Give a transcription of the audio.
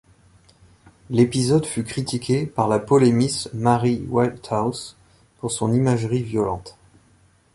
L'épisode fut critiqué par la polémiste Mary Whitehouse pour son imagerie violente.